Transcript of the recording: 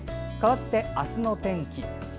かわって、あすの天気。